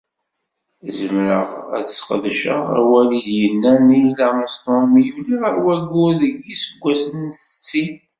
Zemreɣ ad sqedceɣ awal i d-yenna Neil Armstrong mi yuli ɣer wayyur deg yiseggasen n settin.